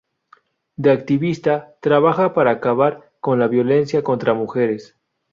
De activista, trabaja para acabar con la violencia contra mujeres.